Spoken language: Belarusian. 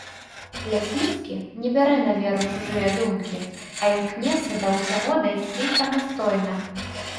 Лясніцкі не бярэ на веру чужыя думкі, а імкнецца да ўсяго дайсці самастойна.